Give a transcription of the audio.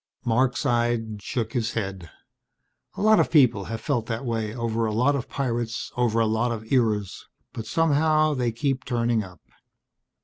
Marc sighed, shook his head. "A lot of people have felt that way over a lot of pirates over a lot of eras. But somehow they keep turning up."